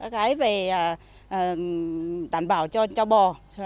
cái về tảm bảo cho cho bò